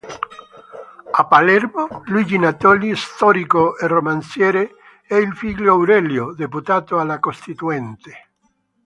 A Palermo Luigi Natoli, storico e romanziere, e il figlio Aurelio, deputato alla Costituente.